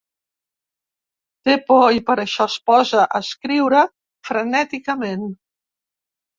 Té por, i per això es posa a escriure frenèticament.